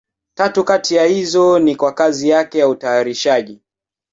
Tatu kati ya hizo ni kwa kazi yake ya utayarishaji.